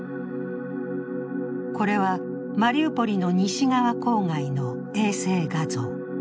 これはマリウポリの西側郊外の衛星画像。